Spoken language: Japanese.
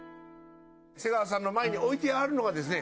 瀬川さんの前に置いてあるのがですね